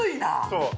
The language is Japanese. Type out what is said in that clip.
◆そう。